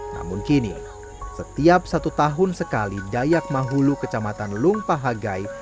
namun kini setiap satu tahun sekali dayak mahulu kecamatan lungpahagai